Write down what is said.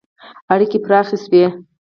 • اړیکې پراخې شوې.